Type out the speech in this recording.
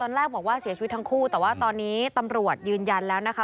แรกบอกว่าเสียชีวิตทั้งคู่แต่ว่าตอนนี้ตำรวจยืนยันแล้วนะคะ